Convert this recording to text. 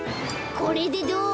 これでどう？